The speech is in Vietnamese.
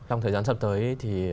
trong thời gian sắp tới thì